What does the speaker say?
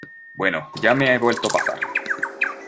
bueno, ya me he vuelto a pasar.